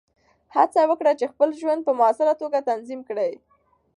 هڅه وکړه چې خپل ژوند په مؤثره توګه تنظیم کړې.